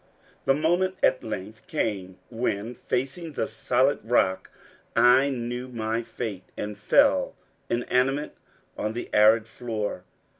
The moment at length came when, facing the solid rock, I knew my fate, and fell inanimate on the arid floor!